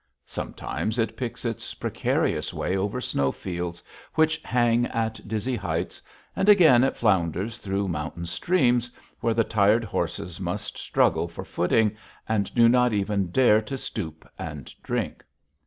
Sometimes it picks its precarious way over snow fields which hang at dizzy heights, and again it flounders through mountain streams, where the tired horses must struggle for footing, and do not even dare to stoop and drink.